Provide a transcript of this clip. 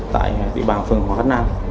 tại địa bàn phường hòa khánh nam